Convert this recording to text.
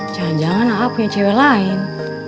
jangan jangan lah punya cewek lain